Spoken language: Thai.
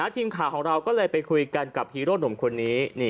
ทีมข่าวของเราก็เลยไปคุยกันกับฮีโร่หนุ่มคนนี้